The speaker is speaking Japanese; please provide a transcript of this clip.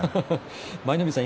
舞の海さん